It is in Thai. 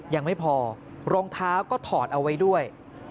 ยังไม่พอรองเท้าก็ถอดเอาไว้ด้วย